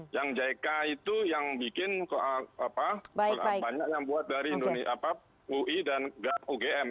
yang jk itu yang bikin banyak yang buat dari ui dan ugm